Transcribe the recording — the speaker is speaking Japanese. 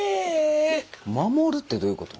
守るってどういうこと？